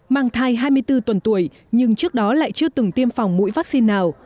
mang thai hai mươi bốn tuần tuổi nhưng trước đó lại chưa từng tiêm phòng mũi vaccine nào